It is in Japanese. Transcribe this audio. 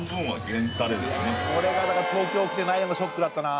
これがだから東京来てないのがショックだったな。